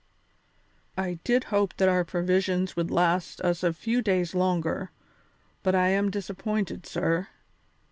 I did hope that our provisions would last us a few days longer, but I am disappointed, sir.